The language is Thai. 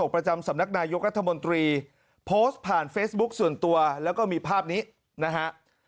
โพสต์ผ่านเฟซบุ๊กส่วนตัวแล้วก็มีภาพนี้นะฮะ